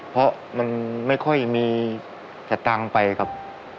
เพราะมันไม่ค่อยมีสตังค์ไปครับ